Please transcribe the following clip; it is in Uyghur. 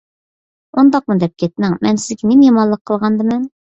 ئۇنداقمۇ دەپ كەتمەڭ. مەن سىزگە نېمە يامانلىق قىلغاندىمەن؟